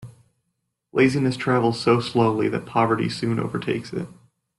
Laziness travels so slowly that poverty soon overtakes it.